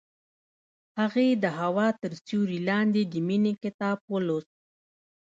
هغې د هوا تر سیوري لاندې د مینې کتاب ولوست.